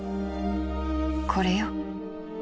これよ。